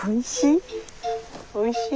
おいしい？